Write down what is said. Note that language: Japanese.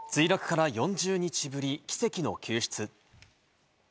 墜落から４０日ぶり、奇跡の救出。